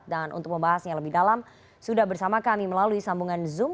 dan untuk membahasnya lebih dalam sudah bersama kami melalui sambungan zoom